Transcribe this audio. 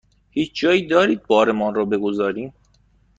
هیچ جایی دارید بارمان را بگذاریم؟